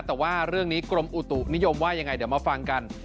แต่ว่าเรื่องนี้กรมอุตุนิยมว่ายังไงเดี๋ยวมาฟังกัน